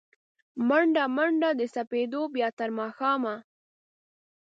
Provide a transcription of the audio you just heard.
مڼډه، منډه د سپېدو، بیا تر ماښامه